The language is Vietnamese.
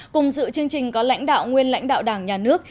cùng dự chương trình có lãnh đạo nguyên lãnh đạo đảng nhà nước